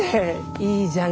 いいじゃん